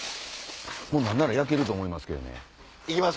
もう何なら焼けると思います。